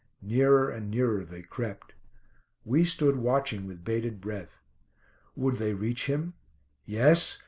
Nearer and nearer they crept. We stood watching with bated breath. Would they reach him? Yes.